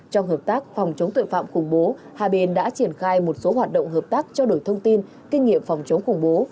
trong hợp tác phòng chống tội phạm khủng bố hai bên đã triển khai một số hoạt động hợp tác trao đổi thông tin kinh nghiệm phòng chống khủng bố